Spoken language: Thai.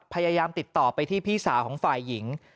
พยายามติดต่อไปที่พี่สาวของฝ่ายหญิง